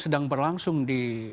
sedang berlangsung di